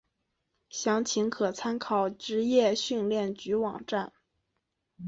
详情可参考职业训练局网站。